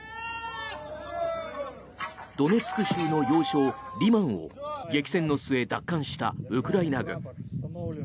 ドネツク州の要衝リマンを激戦の末、奪還したウクライナ軍。